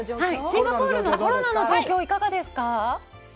シンガポールのコロナの状況はいかがですか？